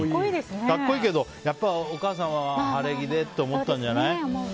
格好いいけどやっぱりお母さんは晴れ着でって思ったんじゃない？